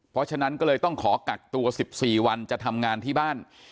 เพราะฉะนั้นก็เลยต้องขอกักตัว๑๔วันจะทำงานที่บ้าน